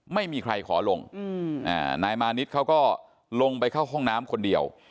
ไม่มีใครขอลงนายมานิดเขาก็ลงไปเข้าห้องน้ำคนเดียว